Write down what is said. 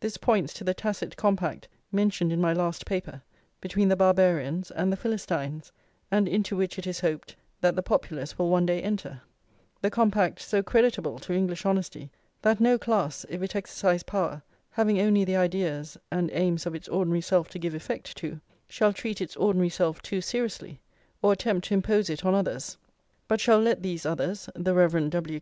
This points to the tacit compact, mentioned in my last paper, between the Barbarians and the Philistines, and into which it is hoped that the Populace will one day enter; the compact, so creditable to English honesty, that no class, if it exercise power, having only the ideas and aims of its ordinary self to give effect to, shall treat its ordinary self too seriously, or attempt to impose it on others; but shall let these others, the Rev. W.